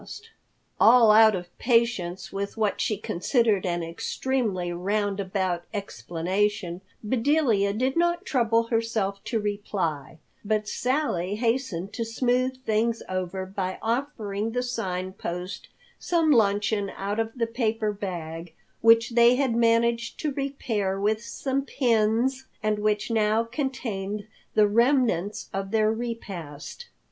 All out of patience with what she considered an extremely round about explanation, Bedelia did not trouble herself to reply, but Sally hastened to smooth things over by offering the Sign Post some luncheon out of the paper bag, which they had managed to repair with some pins, and which now contained the remnants of their repast.